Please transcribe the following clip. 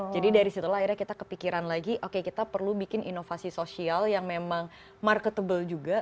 jadi dari situlah akhirnya kita kepikiran lagi oke kita perlu bikin inovasi sosial yang memang marketable juga